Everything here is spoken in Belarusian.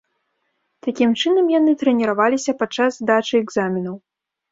Такім чынам яны трэніраваліся падчас здачы экзаменаў.